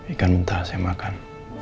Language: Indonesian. ikan mentah saya makan